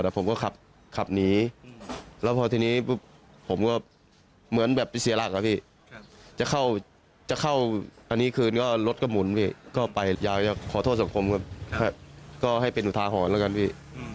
ผมก็กลัวเป็นรถตำรวจทำไมผมก็ขับหนี